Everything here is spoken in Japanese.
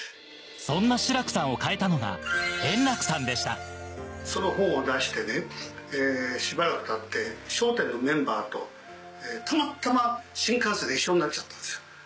そんな志らくさんを変えたのが円楽さんでしたその本を出してねしばらくたって『笑点』のメンバーとたまたま新幹線が一緒になっちゃったんですよ。